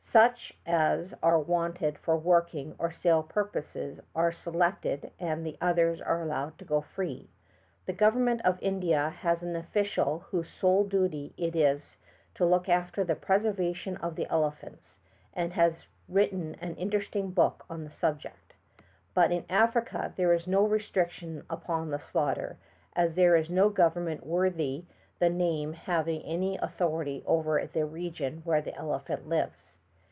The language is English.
Sueh as are wanted for working or sale purposes are seleeted and the others are allowed to go free. The government of India has an offieial whose sole duty it is to look after the preservation of the elephants, and he has written an interesting book on the subjeet. But in Africa there is no restriction upon the slaughter, as there is no government worthy the name having any authority over the region where the elephant lives.